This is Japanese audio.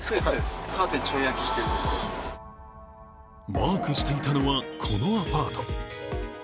マークしていたのは、このアパート。